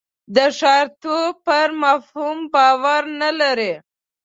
د ښاریتوب پر مفهوم باور نه لري.